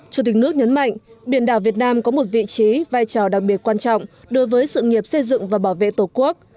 chủ tịch nước nhấn mạnh biển đảo việt nam có một vị trí vai trò đặc biệt quan trọng đối với sự nghiệp xây dựng và bảo vệ tổ quốc